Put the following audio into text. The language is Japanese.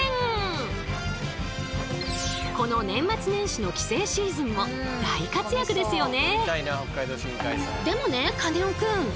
この年末年始の帰省シーズンも大活躍ですよね。